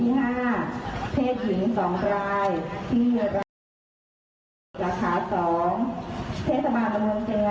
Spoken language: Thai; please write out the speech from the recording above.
วักษ์เทพมีรินโรงคนและบ้านผู้ผิดเชื้อที่หูื่ำห้า